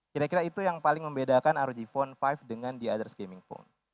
kira kira itu yang paling membedakan rog phone lima dengan the others gaming phone